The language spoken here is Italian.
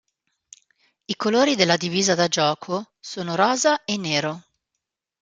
I colori della divisa da gioco sono rosa e nero.